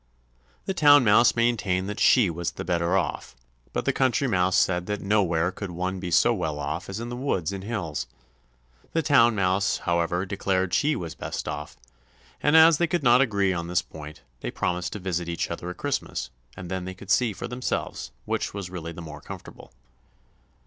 The Town Mouse maintained that she was the better off, but the Country Mouse said that nowhere could one be so well off as in the woods and hills. The Town Mouse, however, declared she was best off; and as they could not agree on this point they promised to visit each other at Christmas; then they could see for themselves which was really the more comfortable.